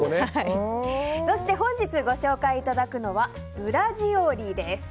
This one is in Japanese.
そして、本日ご紹介いただくのはブラジオリです。